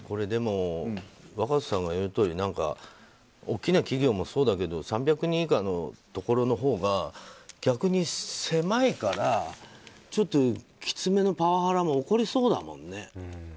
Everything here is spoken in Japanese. でも、若狭さんが言うとおり大きな企業もそうだけど３００人以下のところのほうが逆に狭いからちょっと、きつめのパワハラも起こりそうだもんね。